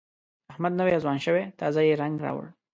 احمد نوی ځوان شوی، تازه یې رنګ راوړ.